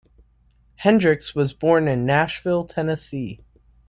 Hendricks was born in Nashville, Tennessee.